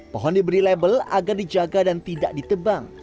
pohon diberi label agar dijaga dan tidak ditebang